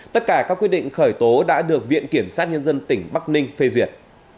tất cả các quyết định khởi tố đã được viện kiểm sát nhân dân tỉnh bắc ninh phê duyệt